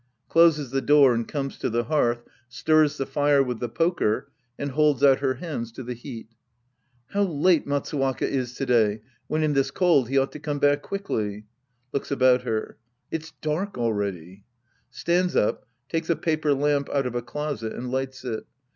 ^Closes tJie door and comes to tlie hearth, stirs the fire with tfie poker and holds out her hands to the heat.) How late Matsuwaka is to day, when in this cold he ought to come back quickly. {Looks about her.) It's dark already. {Stands up, takes a paper lamp out of a closet, and lights it.